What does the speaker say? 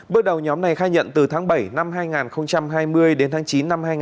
bước đầu nhóm này khai nhận từ tháng bảy năm hai nghìn hai mươi đến tháng chín năm hai nghìn hai mươi